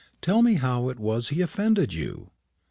tell me how it was he offended you."